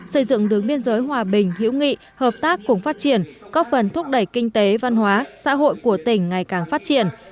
xây dựng đường biên giới hòa bình hữu nghị hợp tác cùng phát triển có phần thúc đẩy kinh tế văn hóa xã hội của tỉnh ngày càng phát triển